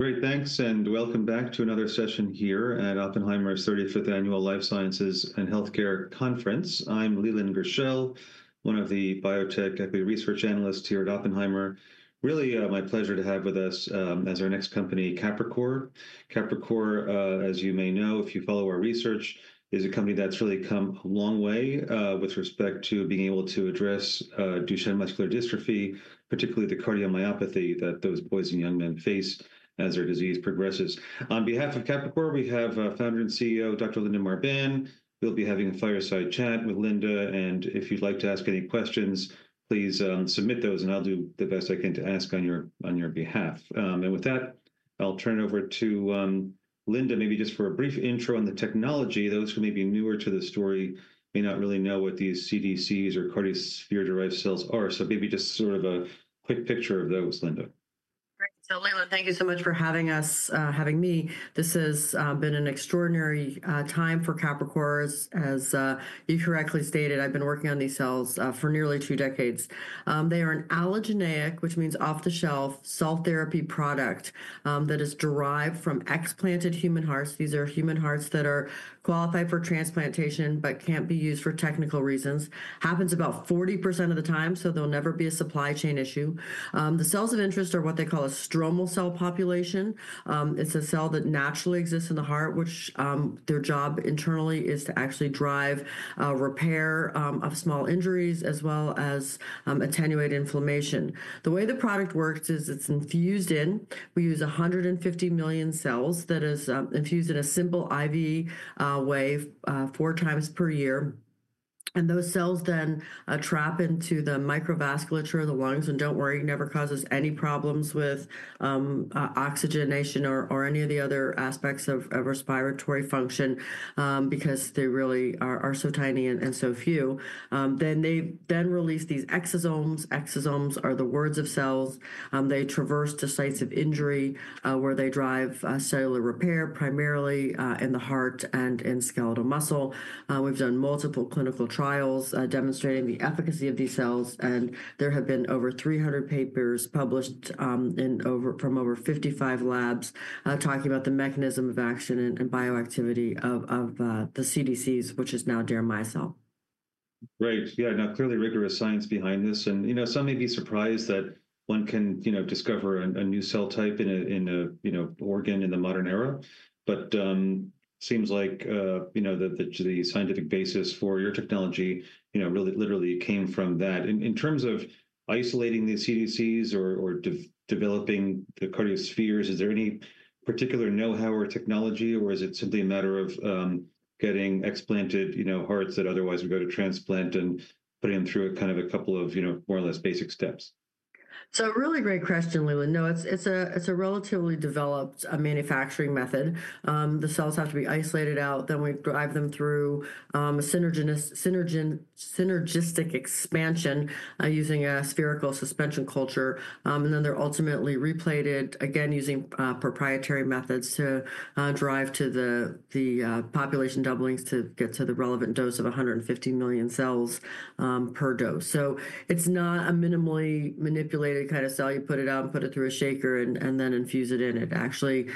Great. Thanks, and welcome back to another session here at Oppenheimer's 35th Annual Life Sciences and Healthcare Conference. I'm Leland Gershell, one of the Biotech Equity Research analysts here at Oppenheimer. Really my pleasure to have with us as our next company, Capricor. Capricor, as you may know, if you follow our research, is a company that's really come a long way with respect to being able to address Duchenne muscular dystrophy, particularly the cardiomyopathy that those boys and young men face as their disease progresses. On behalf of Capricor, we have Founder and CEO, Dr. Linda Marbán. We'll be having a fireside chat with Linda, and if you'd like to ask any questions, please submit those, and I'll do the best I can to ask on your behalf. And with that, I'll turn it over to Linda, maybe just for a brief intro on the technology. Those who may be newer to the story may not really know what these CDCs or cardiosphere-derived cells are. So maybe just sort of a quick picture of those, Linda. Great. So, Leland, thank you so much for having us, having me. This has been an extraordinary time for Capricor. As you correctly stated, I've been working on these cells for nearly two decades. They are an allogeneic, which means off-the-shelf, cell therapy product that is derived from explanted human hearts. These are human hearts that are qualified for transplantation but can't be used for technical reasons. Happens about 40% of the time, so there'll never be a supply chain issue. The cells of interest are what they call a stromal cell population. It's a cell that naturally exists in the heart, which their job internally is to actually drive repair of small injuries as well as attenuate inflammation. The way the product works is it's infused in. We use 150 million cells that are infused in a simple IV way four times per year. Those cells then trap into the microvasculature of the lungs. Don't worry, it never causes any problems with oxygenation or any of the other aspects of respiratory function because they really are so tiny and so few. They then release these exosomes. Exosomes are the words of cells. They traverse to sites of injury where they drive cellular repair, primarily in the heart and in skeletal muscle. We've done multiple clinical trials demonstrating the efficacy of these cells, and there have been over 300 papers published from over 55 labs talking about the mechanism of action and bioactivity of the CDCs, which is now deramiocel. Great. Yeah, now, clearly rigorous science behind this. And you know some may be surprised that one can discover a new cell type in an organ in the modern era. But it seems like the scientific basis for your technology really literally came from that. In terms of isolating the CDCs or developing the cardiospheres, is there any particular know-how or technology, or is it simply a matter of getting explanted hearts that otherwise would go to transplant and putting them through a kind of a couple of more or less basic steps? So a really great question, Leland. No, it's a relatively developed manufacturing method. The cells have to be isolated out. Then we drive them through synergistic expansion using a spherical suspension culture. And then they're ultimately replated, again, using proprietary methods to drive to the population doublings to get to the relevant dose of 150 million cells per dose. So it's not a minimally manipulated kind of cell. You put it out and put it through a shaker and then infuse it in. It actually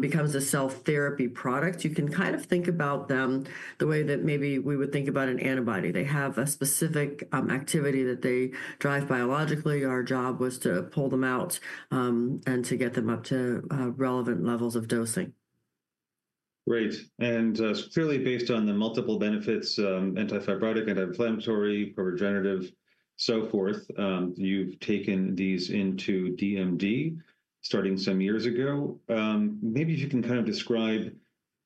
becomes a cell therapy product. You can kind of think about them the way that maybe we would think about an antibody. They have a specific activity that they drive biologically. Our job was to pull them out and to get them up to relevant levels of dosing. Great. And clearly, based on the multiple benefits, anti-fibrotic, anti-inflammatory, pro-regenerative, so forth, you've taken these into DMD starting some years ago. Maybe if you can kind of describe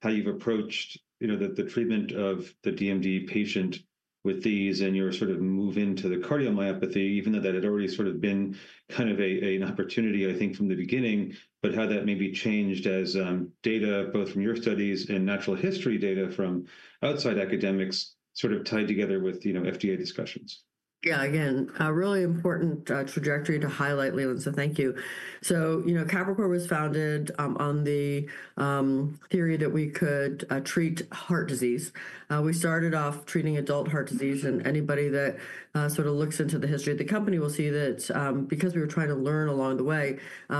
how you've approached the treatment of the DMD patient with these and your sort of move into the cardiomyopathy, even though that had already sort of been kind of an opportunity, I think, from the beginning, but how that may be changed as data both from your studies and natural history data from outside academics sort of tied together with FDA discussions? Yeah, again, a really important trajectory to highlight, Leland. So thank you. So Capricor was founded on the theory that we could treat heart disease. We started off treating adult heart disease. And anybody that sort of looks into the history of the company will see that because we were trying to learn along the way,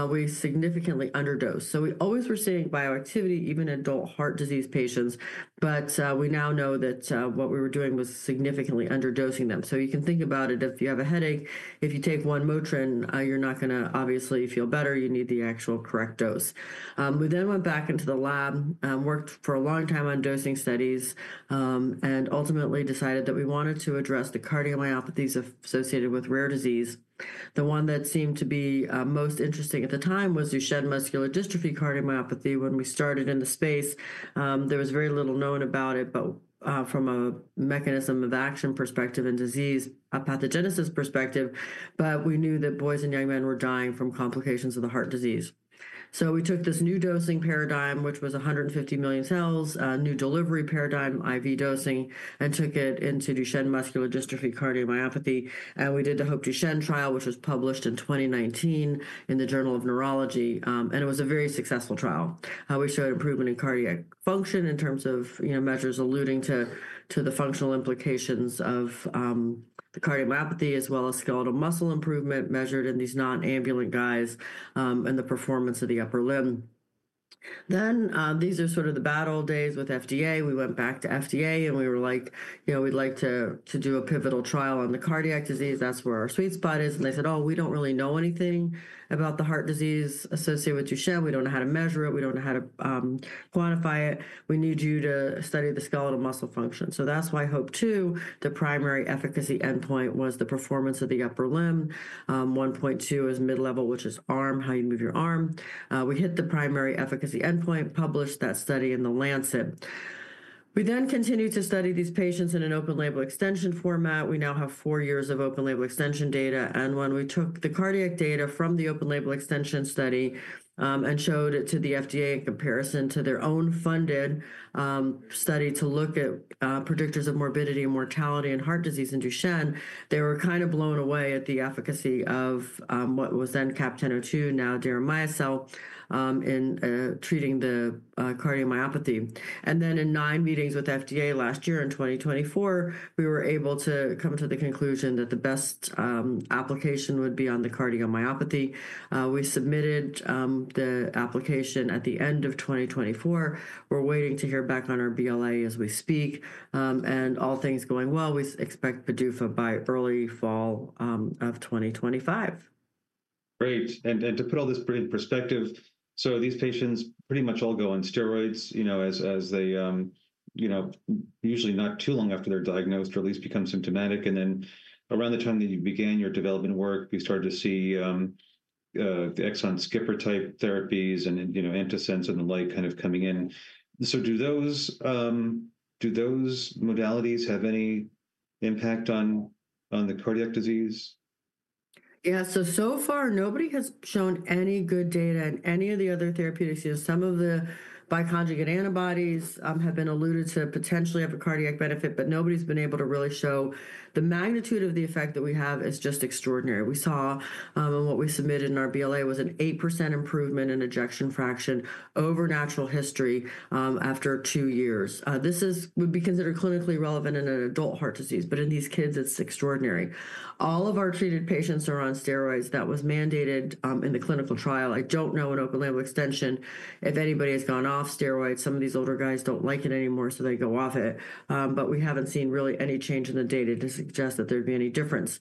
we significantly underdosed. So we always were seeing bioactivity, even adult heart disease patients. But we now know that what we were doing was significantly underdosing them. So you can think about it. If you have a headache, if you take one Motrin, you're not going to obviously feel better. You need the actual correct dose. We then went back into the lab, worked for a long time on dosing studies, and ultimately decided that we wanted to address the cardiomyopathies associated with rare disease. The one that seemed to be most interesting at the time was Duchenne muscular dystrophy cardiomyopathy. When we started in the space, there was very little known about it from a mechanism of action perspective and disease pathogenesis perspective, but we knew that boys and young men were dying from complications of the heart disease, so we took this new dosing paradigm, which was 150 million cells, new delivery paradigm, IV dosing, and took it into Duchenne muscular dystrophy cardiomyopathy, and we did the HOPE-Duchenne trial, which was published in 2019 in the Journal of Neurology, and it was a very successful trial. We showed improvement in cardiac function in terms of measures alluding to the functional implications of the cardiomyopathy, as well as skeletal muscle improvement measured in these non-ambulant guys and the performance of the upper limb. Then these are sort of the bad old days with FDA. We went back to FDA, and we were like, we'd like to do a pivotal trial on the cardiac disease. That's where our sweet spot is. And they said, oh, we don't really know anything about the heart disease associated with Duchenne. We don't know how to measure it. We don't know how to quantify it. We need you to study the skeletal muscle function. So that's why HOPE-2, the primary efficacy endpoint, was the performance of the upper limb. 1.2 is mid-level, which is arm, how you move your arm. We hit the primary efficacy endpoint, published that study in The Lancet. We then continued to study these patients in an open-label extension format. We now have four years of open-label extension data. When we took the cardiac data from the open-label extension study and showed it to the FDA in comparison to their own funded study to look at predictors of morbidity and mortality and heart disease in Duchenne, they were kind of blown away at the efficacy of what was then CAP-1002, now deramiocel, in treating the cardiomyopathy. Then in nine meetings with FDA last year in 2024, we were able to come to the conclusion that the best application would be on the cardiomyopathy. We submitted the application at the end of 2024. We're waiting to hear back on our BLA as we speak. All things going well, we expect PDUFA by early fall of 2025. Great. And to put all this in perspective, so these patients pretty much all go on steroids as they usually not too long after they're diagnosed or at least become symptomatic. And then around the time that you began your development work, we started to see the exon-skipping type therapies and antisense and the like kind of coming in. So do those modalities have any impact on the cardiac disease? Yeah. So far, nobody has shown any good data in any of the other therapeutics. Some of the bioconjugate antibodies have been alluded to potentially have a cardiac benefit, but nobody's been able to really show. The magnitude of the effect that we have is just extraordinary. We saw, in what we submitted in our BLA, an 8% improvement in ejection fraction over natural history after two years. This would be considered clinically relevant in an adult heart disease, but in these kids, it's extraordinary. All of our treated patients are on steroids. That was mandated in the clinical trial. I don't know in open-label extension if anybody has gone off steroids. Some of these older guys don't like it anymore, so they go off it. But we haven't seen really any change in the data to suggest that there'd be any difference.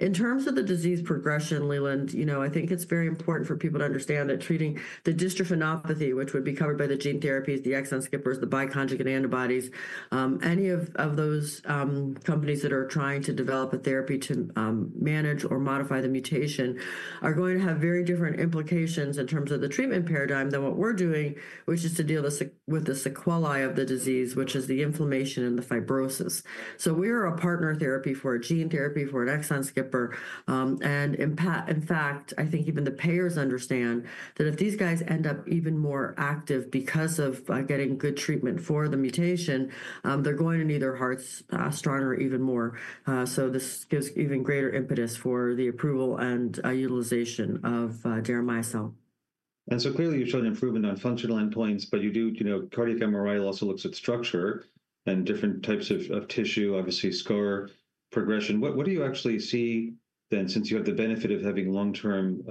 In terms of the disease progression, Leland, you know I think it's very important for people to understand that treating the dystrophinopathy, which would be covered by the gene therapies, the exon skippers, the bioconjugate antibodies. Any of those companies that are trying to develop a therapy to manage or modify the mutation are going to have very different implications in terms of the treatment paradigm than what we're doing, which is to deal with the sequelae of the disease, which is the inflammation and the fibrosis, so we are a partner therapy for a gene therapy for an exon skipper. In fact, I think even the payers understand that if these guys end up even more active because of getting good treatment for the mutation, they're going to need their hearts stronger even more, so this gives even greater impetus for the approval and utilization of deramiocel. And so clearly, you've shown improvement on functional endpoints, but you do cardiac MRI also looks at structure and different types of tissue, obviously scar progression. What do you actually see then since you have the benefit of having long-term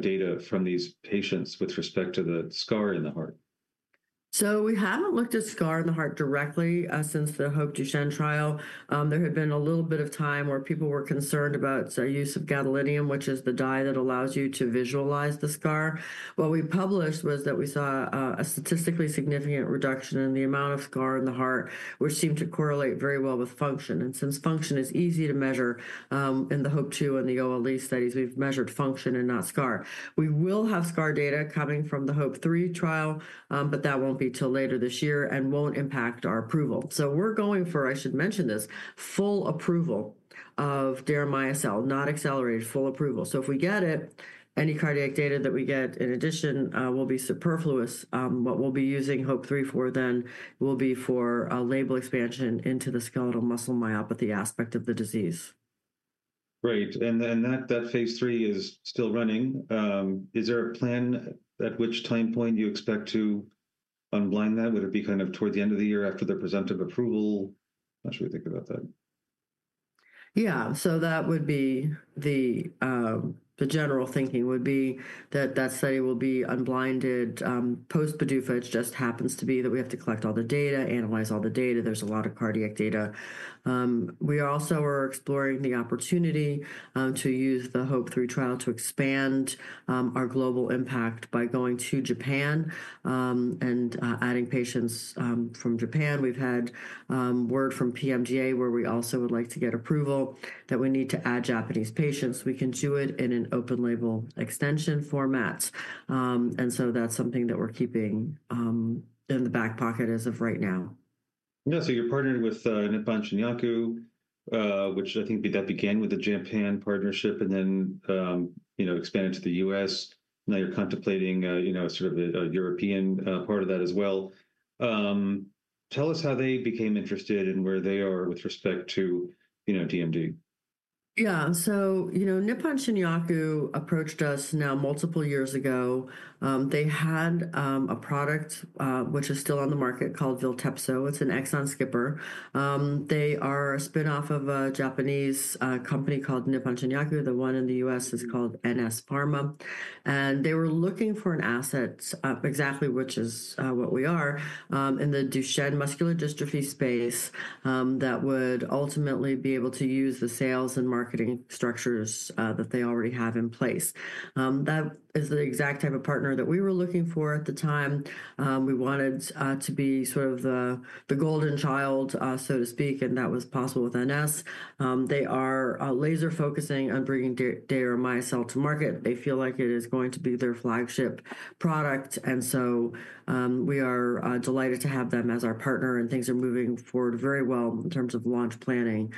data from these patients with respect to the scar in the heart? We haven't looked at scar in the heart directly since the HOPE-Duchenne trial. There had been a little bit of time where people were concerned about the use of gadolinium, which is the dye that allows you to visualize the scar. What we published was that we saw a statistically significant reduction in the amount of scar in the heart, which seemed to correlate very well with function. Since function is easy to measure in the HOPE-2 and the OLE studies, we've measured function and not scar. We will have scar data coming from the HOPE-3 trial, but that won't be till later this year and won't impact our approval. We're going for, I should mention this, full approval of deramiocel, not accelerated, full approval. If we get it, any cardiac data that we get in addition will be superfluous. What we'll be using HOPE-3 for then will be for label expansion into the skeletal muscle myopathy aspect of the disease. Great. And that phase III is still running. Is there a plan at which time point you expect to unblind that? Would it be kind of toward the end of the year after the priority review? I'm not sure we think about that. Yeah. So that would be the general thinking would be that that study will be unblinded post-PDUFA. It just happens to be that we have to collect all the data, analyze all the data. There's a lot of cardiac data. We also are exploring the opportunity to use the HOPE-3 trial to expand our global impact by going to Japan and adding patients from Japan. We've had word from PMDA where we also would like to get approval that we need to add Japanese patients. We can do it in an open-label extension format. And so that's something that we're keeping in the back pocket as of right now. Yeah. So you're partnered with Nippon Shinyaku, which I think that began with the Japan partnership and then expanded to the U.S. Now you're contemplating sort of a European part of that as well. Tell us how they became interested and where they are with respect to DMD. Yeah. So Nippon Shinyaku approached us now multiple years ago. They had a product which is still on the market called Viltepso. It's an exon skipper. They are a spinoff of a Japanese company called Nippon Shinyaku. The one in the U.S. is called NS Pharma. And they were looking for an asset, exactly which is what we are in the Duchenne muscular dystrophy space that would ultimately be able to use the sales and marketing structures that they already have in place. That is the exact type of partner that we were looking for at the time. We wanted to be sort of the golden child, so to speak, and that was possible with NS. They are laser-focusing on bringing deramiocel to market. They feel like it is going to be their flagship product. And so we are delighted to have them as our partner. Things are moving forward very well in terms of launch planning,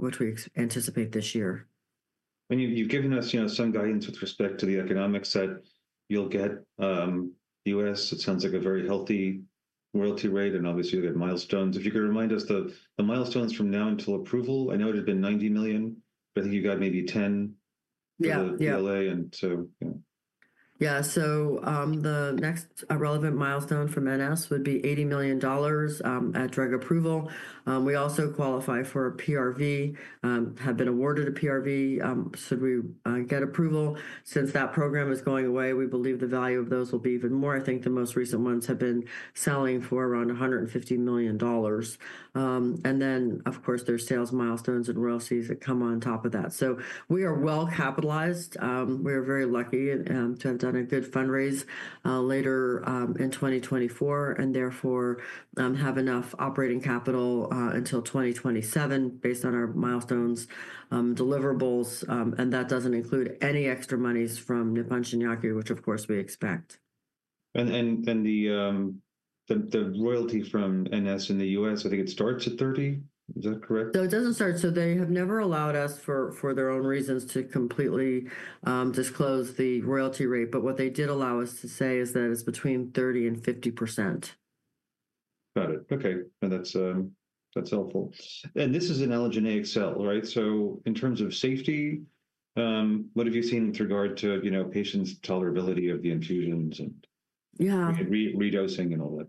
which we anticipate this year. And you've given us some guidance with respect to the economics that you'll get the U.S. It sounds like a very healthy royalty rate. And obviously, you'll get milestones. If you could remind us the milestones from now until approval, I know it had been $90 million, but I think you got maybe $10 million for the BLA and so. Yeah. So the next relevant milestone from NS would be $80 million at drug approval. We also qualify for a PRV, have been awarded a PRV should we get approval. Since that program is going away, we believe the value of those will be even more. I think the most recent ones have been selling for around $150 million. And then, of course, there's sales milestones and royalties that come on top of that. So we are well capitalized. We are very lucky to have done a good fundraise later in 2024 and therefore have enough operating capital until 2027 based on our milestones, deliverables. And that doesn't include any extra monies from Nippon Shinyaku, which, of course, we expect. The royalty from NS in the U.S., I think it starts at 30. Is that correct? It doesn't start. They have never allowed us for their own reasons to completely disclose the royalty rate. What they did allow us to say is that it's between 30 and 50%. Got it. Okay. And that's helpful. And this is an allogeneic cell, right? So in terms of safety, what have you seen with regard to patients' tolerability of the infusions and redosing and all that?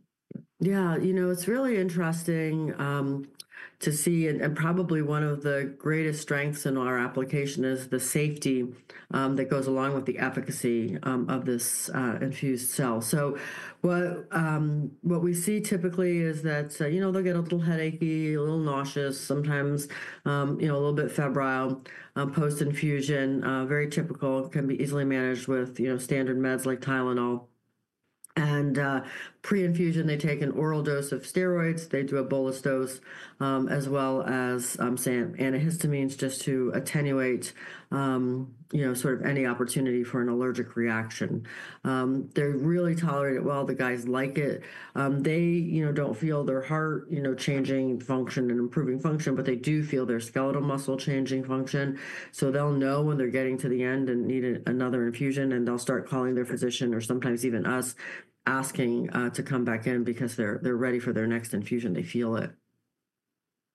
Yeah. You know, it's really interesting to see. And probably one of the greatest strengths in our application is the safety that goes along with the efficacy of this infused cell. So what we see typically is that they'll get a little headachy, a little nauseous, sometimes a little bit febrile post-infusion. Very typical. Can be easily managed with standard meds like Tylenol. And pre-infusion, they take an oral dose of steroids. They do a bolus dose as well as antihistamines just to attenuate sort of any opportunity for an allergic reaction. They really tolerate it well. The guys like it. They don't feel their heart changing function and improving function, but they do feel their skeletal muscle changing function. So they'll know when they're getting to the end and need another infusion, and they'll start calling their physician or sometimes even us asking to come back in because they're ready for their next infusion. They feel it.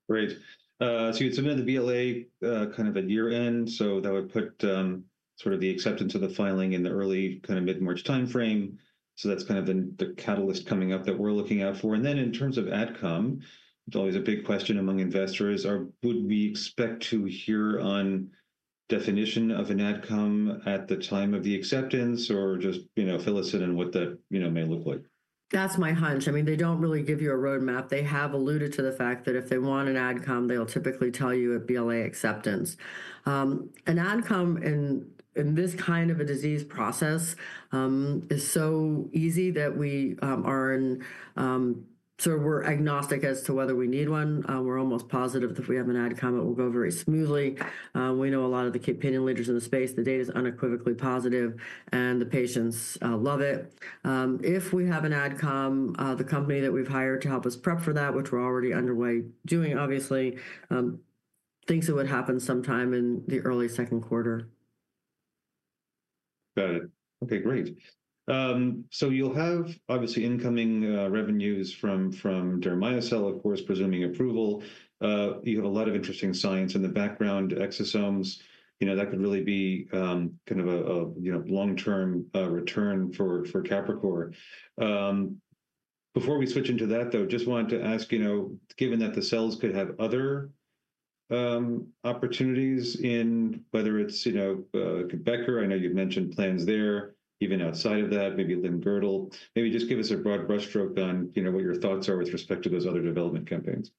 Great. So you'd submit the BLA kind of at year-end. So that would put sort of the acceptance of the filing in the early kind of mid-March time frame. So that's kind of the catalyst coming up that we're looking out for. And then in terms of AdCom, it's always a big question among investors. Would we expect to hear on definition of an AdCom at the time of the acceptance or just fill us in on what that may look like? That's my hunch. I mean, they don't really give you a roadmap. They have alluded to the fact that if they want an AdCom, they'll typically tell you at BLA acceptance. An AdCom in this kind of a disease process is so easy that we are sort of agnostic as to whether we need one. We're almost positive that if we have an AdCom, it will go very smoothly. We know a lot of the opinion leaders in the space, the data is unequivocally positive, and the patients love it. If we have an AdCom, the company that we've hired to help us prep for that, which we're already underway doing, obviously, thinks it would happen sometime in the early second quarter. Got it. Okay, great. So you'll have obviously incoming revenues from deramiocel, of course, presuming approval. You have a lot of interesting science in the background, exosomes. That could really be kind of a long-term return for Capricor. Before we switch into that, though, just wanted to ask, given that the cells could have other opportunities in whether it's Becker, I know you've mentioned plans there, even outside of that, maybe limb-girdle. Maybe just give us a broad brushstroke on what your thoughts are with respect to those other development campaigns.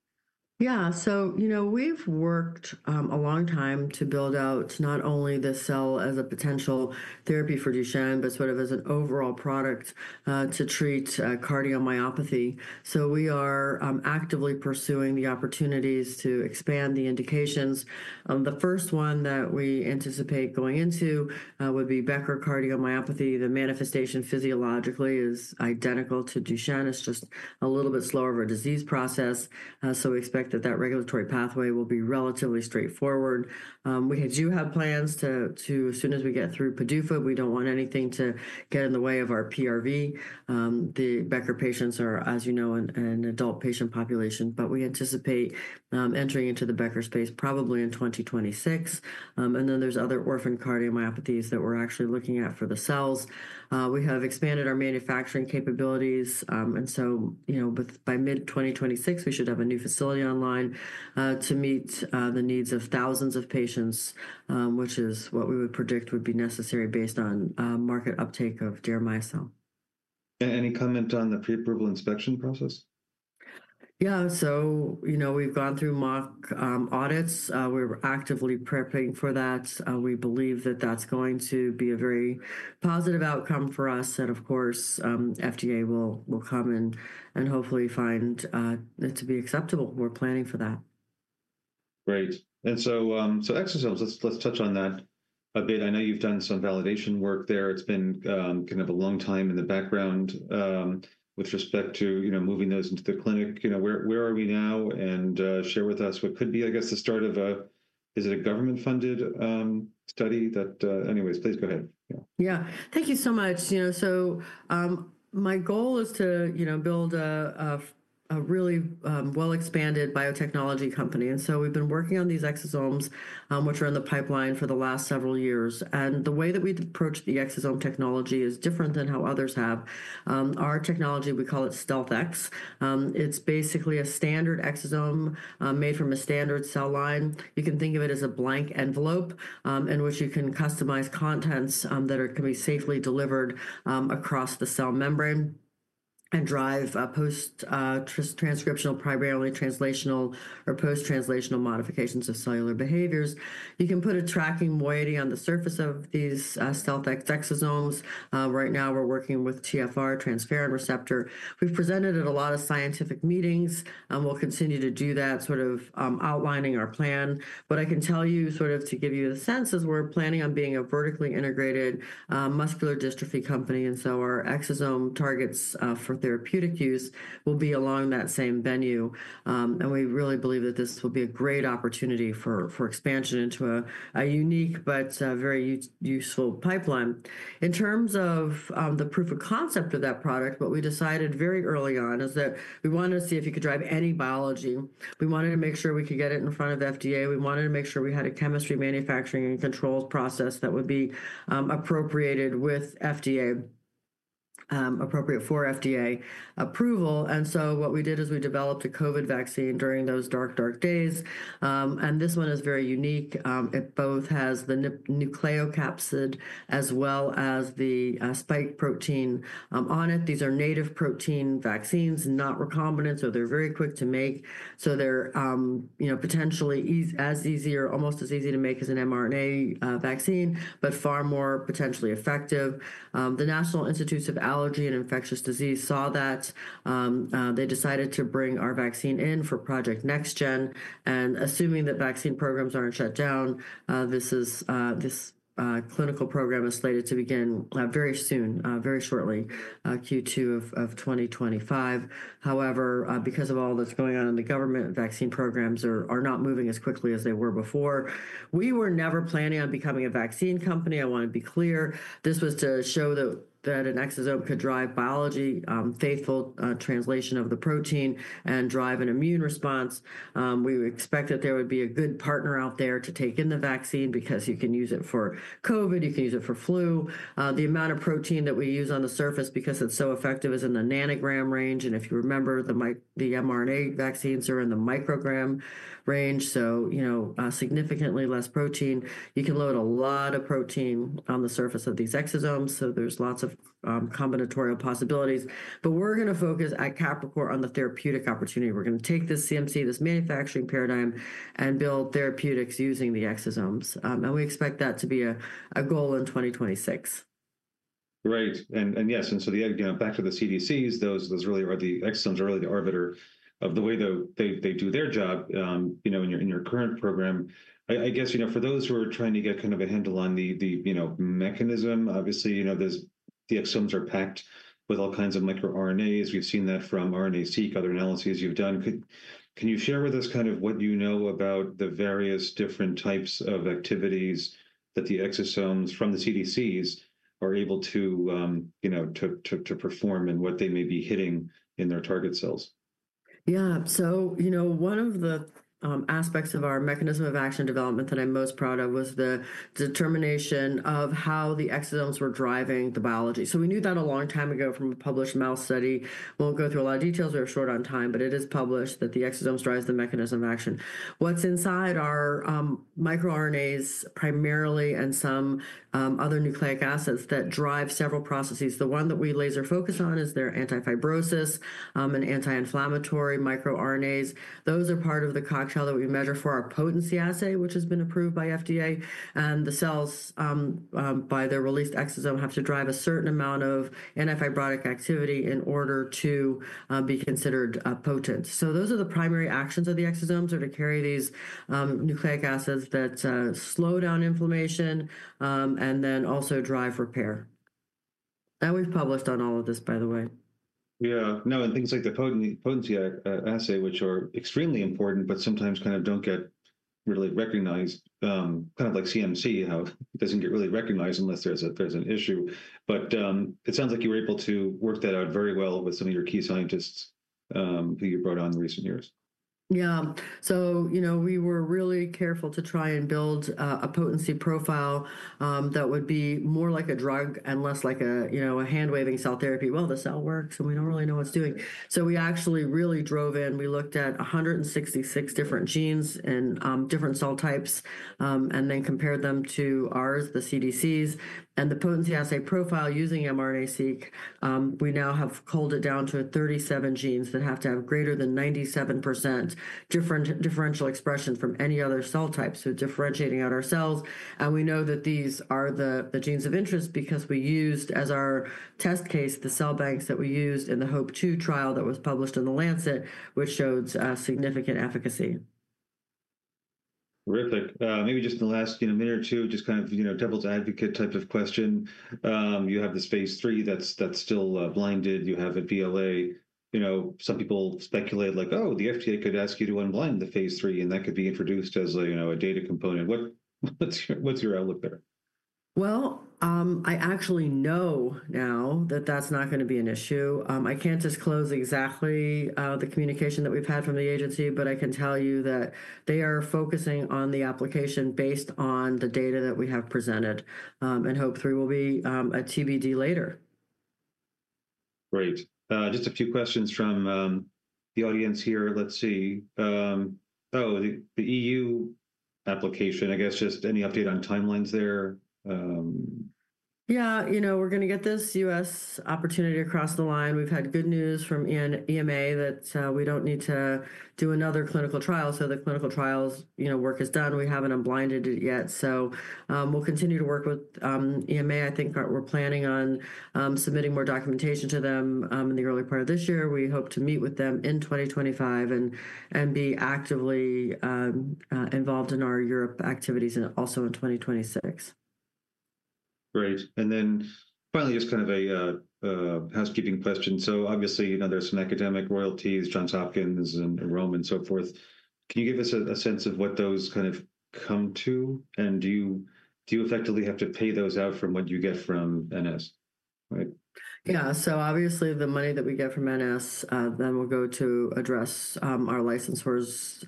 Yeah, so we've worked a long time to build out not only the cell as a potential therapy for Duchenne, but sort of as an overall product to treat cardiomyopathy, so we are actively pursuing the opportunities to expand the indications. The first one that we anticipate going into would be Becker cardiomyopathy. The manifestation physiologically is identical to Duchenne. It's just a little bit slower of a disease process, so we expect that that regulatory pathway will be relatively straightforward. We do have plans to, as soon as we get through PDUFA, we don't want anything to get in the way of our PRV. The Becker patients are, as you know, an adult patient population, but we anticipate entering into the Becker space probably in 2026, and then there's other orphan cardiomyopathies that we're actually looking at for the cells. We have expanded our manufacturing capabilities. By mid-2026, we should have a new facility online to meet the needs of thousands of patients, which is what we would predict would be necessary based on market uptake of deramiocel. Any comment on the pre-approval inspection process? Yeah. So we've gone through mock audits. We're actively prepping for that. We believe that that's going to be a very positive outcome for us. And of course, FDA will come and hopefully find it to be acceptable. We're planning for that. Great, and so exosomes, let's touch on that a bit. I know you've done some validation work there. It's been kind of a long time in the background with respect to moving those into the clinic. Where are we now? And share with us what could be, I guess, the start of a, is it a government-funded study that anyways, please go ahead. Yeah. Thank you so much. So my goal is to build a really well-expanded biotechnology company. And so we've been working on these exosomes, which are in the pipeline for the last several years. And the way that we approach the exosome technology is different than how others have. Our technology, we call it StealthX. It's basically a standard exosome made from a standard cell line. You can think of it as a blank envelope in which you can customize contents that can be safely delivered across the cell membrane and drive post-transcriptional, primarily translational or post-translational modifications of cellular behaviors. You can put a tracking moiety on the surface of these StealthX exosomes. Right now, we're working with TfR, transferrin receptor. We've presented at a lot of scientific meetings and we'll continue to do that, sort of outlining our plan. But I can tell you, sort of to give you a sense, is we're planning on being a vertically integrated muscular dystrophy company. And so our exosome targets for therapeutic use will be along that same venue. And we really believe that this will be a great opportunity for expansion into a unique, but very useful pipeline. In terms of the proof of concept of that product, what we decided very early on is that we wanted to see if you could drive any biology. We wanted to make sure we could get it in front of FDA. We wanted to make sure we had a Chemistry, Manufacturing, and Controls process that would be appropriate with FDA, appropriate for FDA approval. And so what we did is we developed a COVID vaccine during those dark, dark days. And this one is very unique. It both has the nucleocapsid as well as the spike protein on it. These are native protein vaccines, not recombinant, so they're very quick to make. So they're potentially as easy, or almost as easy to make as an mRNA vaccine, but far more potentially effective. The National Institute of Allergy and Infectious Diseases saw that. They decided to bring our vaccine in for Project NextGen, and assuming that vaccine programs aren't shut down, this clinical program is slated to begin very soon, very shortly, Q2 of 2025. However, because of all that's going on in the government, vaccine programs are not moving as quickly as they were before. We were never planning on becoming a vaccine company. I want to be clear. This was to show that an exosome could drive biology, faithful translation of the protein, and drive an immune response. We expect that there would be a good partner out there to take in the vaccine because you can use it for COVID. You can use it for flu. The amount of protein that we use on the surface, because it's so effective, is in the nanogram range. And if you remember, the mRNA vaccines are in the microgram range, so significantly less protein. You can load a lot of protein on the surface of these exosomes. So there's lots of combinatorial possibilities. But we're going to focus at Capricor on the therapeutic opportunity. We're going to take this CMC, this manufacturing paradigm, and build therapeutics using the exosomes. And we expect that to be a goal in 2026. Great. And yes. And so, back to the CDCs, those really are the exosomes, are really the arbiter of the way they do their job in your current program. I guess for those who are trying to get kind of a handle on the mechanism, obviously, the exosomes are packed with all kinds of microRNAs. We've seen that from RNA-seq, other analyses you've done. Can you share with us kind of what you know about the various different types of activities that the exosomes from the CDCs are able to perform and what they may be hitting in their target cells? Yeah. So one of the aspects of our mechanism of action development that I'm most proud of was the determination of how the exosomes were driving the biology. So we knew that a long time ago from a published mouse study. We won't go through a lot of details. We're short on time, but it is published that the exosomes drive the mechanism of action. What's inside are microRNAs primarily and some other nucleic acids that drive several processes. The one that we laser focus on is their antifibrotic and anti-inflammatory microRNAs. Those are part of the cocktail that we measure for our potency assay, which has been approved by FDA. And the cells, by their released exosomes, have to drive a certain amount of antifibrotic activity in order to be considered potent. So those are the primary actions of the exosomes, are to carry these nucleic acids that slow down inflammation and then also drive repair. And we've published on all of this, by the way. Yeah. No, and things like the potency assay, which are extremely important, but sometimes kind of don't get really recognized, kind of like CMC, how it doesn't get really recognized unless there's an issue. But it sounds like you were able to work that out very well with some of your key scientists who you brought on in recent years. Yeah, so we were really careful to try and build a potency profile that would be more like a drug and less like a hand-waving cell therapy, well, the cell works, and we don't really know what it's doing, so we actually really drove in. We looked at 166 different genes and different cell types and then compared them to ours, the CDCs, and the potency assay profile using mRNA-seq. We now have culled it down to 37 genes that have to have greater than 97% differential expression from any other cell types, so differentiating out our cells, and we know that these are the genes of interest because we used as our test case the cell banks that we used in the HOPE-2 trial that was published in The Lancet, which showed significant efficacy. Terrific. Maybe just in the last minute or two, just kind of devil's advocate type of question. You have the phase III that's still blinded. You have a BLA. Some people speculate like, "Oh, the FDA could ask you to unblind the phase III, and that could be introduced as a data component." What's your outlook there? I actually know now that that's not going to be an issue. I can't disclose exactly the communication that we've had from the agency, but I can tell you that they are focusing on the application based on the data that we have presented. HOPE-3 will be a TBD later. Great. Just a few questions from the audience here. Let's see. Oh, the EU application, I guess just any update on timelines there? Yeah. We're going to get this U.S. opportunity across the line. We've had good news from EMA that we don't need to do another clinical trial. So the clinical trials work is done. We haven't unblinded it yet. So we'll continue to work with EMA. I think we're planning on submitting more documentation to them in the early part of this year. We hope to meet with them in 2025 and be actively involved in our Europe activities also in 2026. Great. And then finally, just kind of a housekeeping question. So obviously, there's some academic royalties, Johns Hopkins and Rome and so forth. Can you give us a sense of what those kind of come to? And do you effectively have to pay those out from what you get from NS? Right? Yeah. So obviously, the money that we get from NS, then we'll go to address our licensors'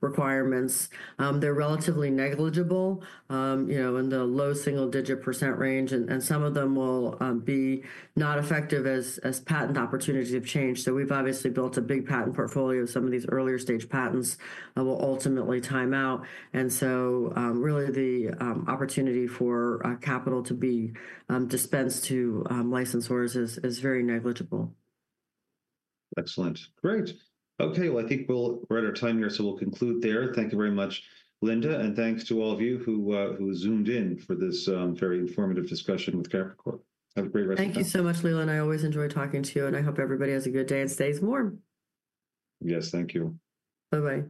requirements. They're relatively negligible in the low single-digit % range, and some of them will be not effective as patent opportunities have changed, so we've obviously built a big patent portfolio of some of these earlier stage patents that will ultimately time out, and so really, the opportunity for capital to be dispensed to licensors is very negligible. Excellent. Great. Okay. I think we're at our time here, so we'll conclude there. Thank you very much, Linda. Thanks to all of you who zoomed in for this very informative discussion with Capricor. Have a great rest of your day. Thank you so much, Leland. I always enjoy talking to you. And I hope everybody has a good day and stays warm. Yes, thank you. Bye-bye.